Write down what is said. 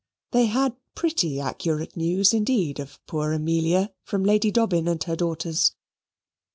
They had pretty accurate news indeed of poor Amelia from Lady Dobbin and her daughters.